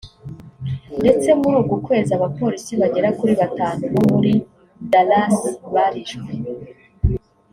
ndetse muri uku kwezi abapolisi bagera kuri batanu bo muri Dallas barishwe